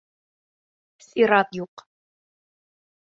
Сират юҡ.